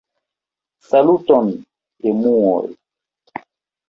Saluton, emuoj!